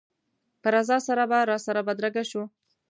په رضا سره به راسره بدرګه شو.